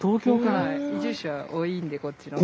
移住者多いんでこっちの方。